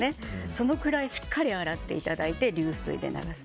そのくらいしっかり洗っていただいて流水で流す。